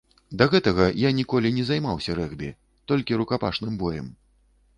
Да гэтага я ніколі не займаўся рэгбі, толькі рукапашным боем.